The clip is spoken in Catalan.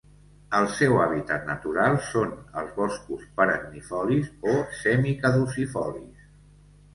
El seu hàbitat natural són els boscos perennifolis o semicaducifolis.